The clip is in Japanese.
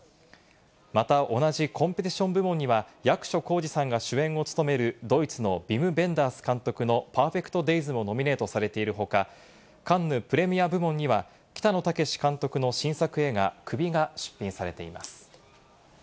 また同じコンペティション部門には、役所広司さんが主演を務めるドイツのヴィム・ヴェンダース監督の『パーフェクトデイズ』もノミネートされている他、カンヌ・プレミア部門には北野武監督の新作映画『首』が出品されています。